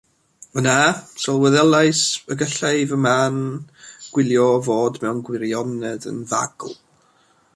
Yna sylweddolais y gallai fy man gwylio fod mewn gwirionedd yn fagl.